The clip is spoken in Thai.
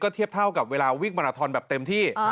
เทียบเท่ากับเวลาวิ่งมาราทอนแบบเต็มที่